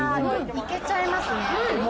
・いけちゃいます？